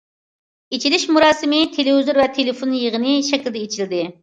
ئېچىلىش مۇراسىمى تېلېۋىزور ۋە تېلېفون يىغىنى شەكلىدە ئېچىلدى.